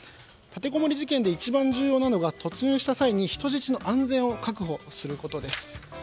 立てこもり事件で一番重要なのが突入した際に人質の安全を確保することです。